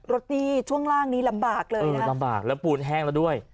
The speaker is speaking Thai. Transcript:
หนี้ช่วงล่างนี้ลำบากเลยเออลำบากแล้วปูนแห้งแล้วด้วย